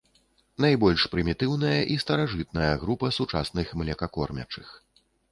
Найбольш прымітыўная і старажытная група сучасных млекакормячых.